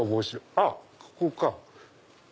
あっここか！